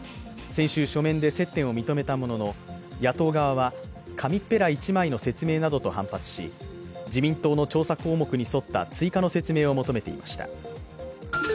先週、書面で接点を認めたものの野党側は紙っぺら１枚の説明などと反発し自民党の調査項目に沿った追加の説明を求めていました。